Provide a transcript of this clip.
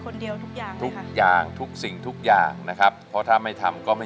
เปลี่ยนเพลงเพลงเก่งของคุณและข้ามผิดได้๑คำ